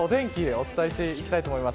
お伝えしていきたいと思います。